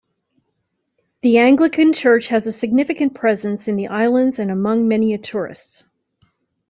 The Anglican Church has a significant presence ln the islands and among many-a-tourists.